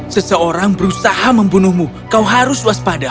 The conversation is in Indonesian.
seseorang berusaha membunuhmu kau harus waspada